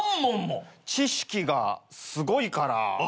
知識がすごいから。